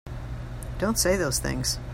Don't say those things!